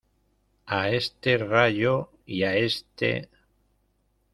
a este Rayo y a este...